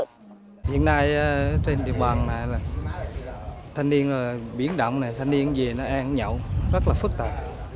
hiện nay trên địa bàn thanh niên biển động này thanh niên về nó ăn nhậu rất là phức tạp